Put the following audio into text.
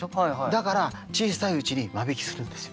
だから小さいうちに間引きするんですよ。